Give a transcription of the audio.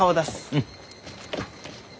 うん。